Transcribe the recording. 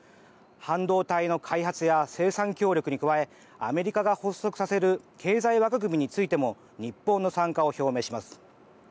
半導体の開発や生産協力に加えアメリカが発足させる経済枠組みについても日本の参加を表明します。